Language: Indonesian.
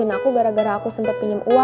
apa kabar bapaknya masih dirawat